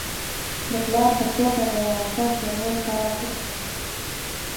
د پلار په توګه د یوه کس د رول په اړه فکر وکړئ.